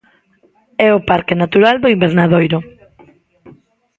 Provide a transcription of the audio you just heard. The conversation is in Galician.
É o Parque Natural do Invernadoiro.